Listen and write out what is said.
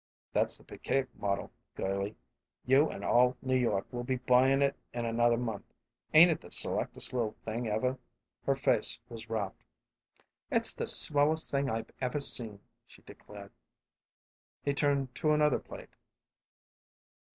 "That's the Piquette model, girlie. You and all New York will be buyin' it in another month. Ain't it the selectest little thing ever?" Her face was rapt. "It's the swellest thing I've ever seen!" she declared. He turned to another plate.